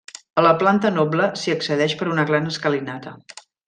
A la planta noble s'hi accedeix per una gran escalinata.